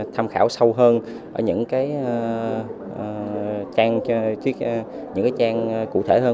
tham khảo sâu hơn ở những cái trang cụ thể hơn